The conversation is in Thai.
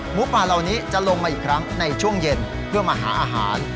หมูป่าเหล่านี้จะลงมาอีกครั้งในช่วงเย็นเพื่อมาหาอาหาร